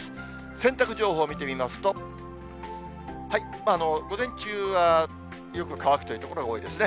洗濯情報を見てみますと、午前中はよく乾くという所が多いですね。